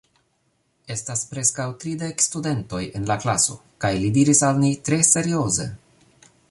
Estas preskaŭ tridek studentoj en la klaso, kaj li diris al ni tre serioze: